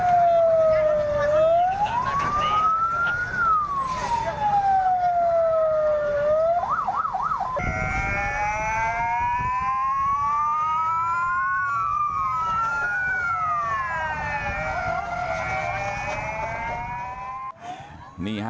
นี่ฮะอย่างนี้นะครับ